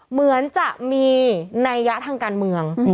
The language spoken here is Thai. เหมือนจะมีนัยยะทางการเมือง